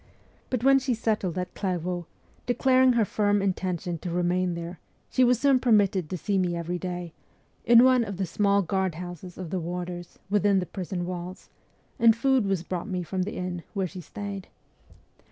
But when she settled at Clairvaux, declaring her firm intention to remain there, she was soon permitted to see me every day, in one of the small guard houses of the warders, within the prison walls, and food was brought me from the inn where she stayed.